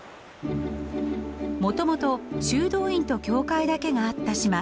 もともと修道院と教会だけがあった島